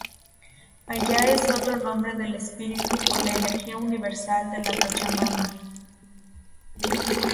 Aya es otro nombre del espíritu o la energía universal de la Pachamama.